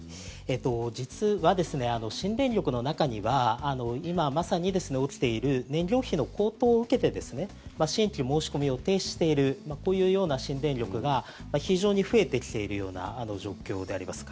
実は新電力の中には今まさに起きている燃料費の高騰を受けて新規申し込みを停止しているこういうような新電力が非常に増えてきているような状況であります。